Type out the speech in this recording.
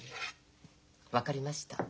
分かりました。